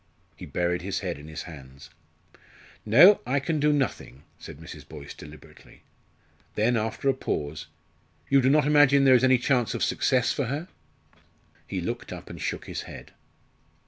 He buried his head in his hands. "No, I can do nothing," said Mrs. Boyce, deliberately. Then, after a pause, "You do not imagine there is any chance of success for her?" He looked up and shook his head.